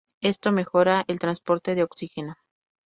Esto mejora el transporte de oxígeno.